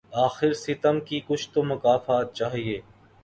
آخر ستم کی کچھ تو مکافات چاہیے